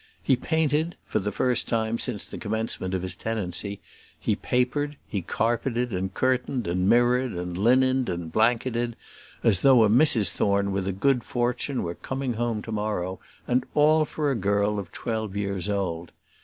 He painted for the first time since the commencement of his tenancy he papered, he carpeted, and curtained, and mirrored, and linened, and blanketed, as though a Mrs Thorne with a good fortune were coming home to morrow; and all for a girl of twelve years old.